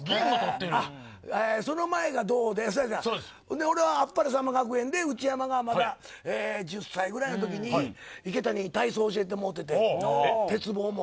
その前が銅で俺はあっぱれさんま学園で内山がまだ１０歳ぐらいのときに池谷に体操を教えてもらってて鉄棒も。